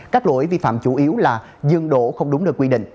các lỗi vi phạm chủ yếu là dừng đổ không đúng nơi quy định